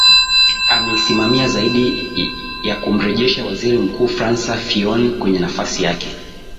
ameisimamia zaidi ni ya kumrejesha waziri mkuu fransa phion kwenye nafasi yake